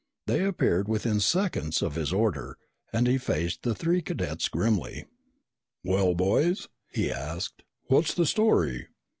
They appeared within seconds of his order and he faced the three cadets grimly. "Well, boys," he asked, "what's the story?"